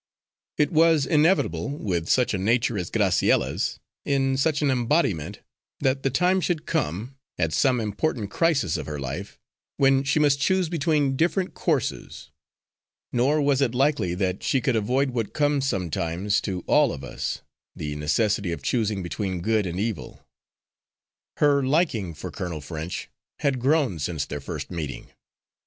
It was inevitable, with such a nature as Graciella's, in such an embodiment, that the time should come, at some important crisis of her life, when she must choose between different courses; nor was it likely that she could avoid what comes sometime to all of us, the necessity of choosing between good and evil. Her liking for Colonel French had grown since their first meeting.